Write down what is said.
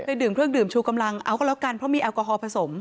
ดื่มเครื่องดื่มชูกำลังเอาก็แล้วกันเพราะมีแอลกอฮอลผสม